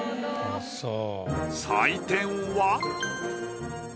採点は。